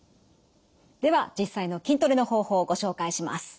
では実際の筋トレの方法をご紹介します。